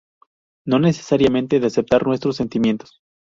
No necesariamente de aceptar nuestros sentimientos.